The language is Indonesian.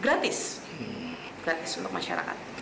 gratis gratis untuk masyarakat